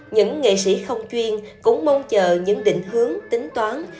những nghệ sĩ không chuyên cũng mong chờ những định hướng tính toán